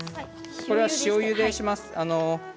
これは、しょうゆでします。